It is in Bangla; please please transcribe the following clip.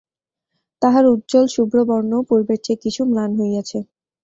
তাহার উজ্জ্বল শুভ্র বর্ণও পূর্বের চেয়ে কিছু ম্লান হইয়াছে।